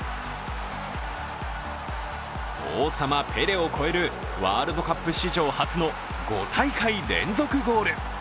王様ペレを超えるワールドカップ史上初の５大会連続ゴール。